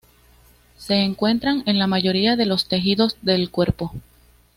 Se encuentran en la mayoría de los tejidos del cuerpo.